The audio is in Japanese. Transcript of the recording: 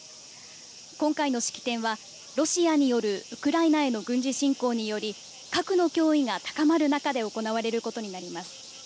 今回の式典は、ロシアによるウクライナへの軍事侵攻により、核の脅威が高まる中で行われることになります。